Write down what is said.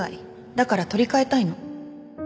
だから取り換えたいの。